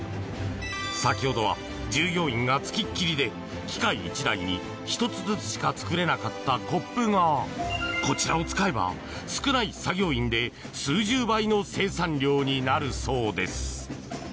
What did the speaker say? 先ほどは従業員がつきっきりで機械１台に１つずつしか作れなかったコップがこちらを使えば、少ない作業員で数十倍の生産量になるそうです。